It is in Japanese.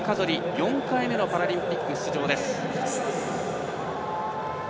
４回目のパラリンピック出場です。